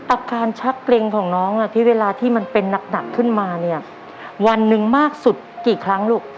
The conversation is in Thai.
อาการชักเกร็งของน้องที่เวลาที่มันเป็นหนักขึ้นมาเนี่ยวันหนึ่งมากสุดกี่ครั้งลูก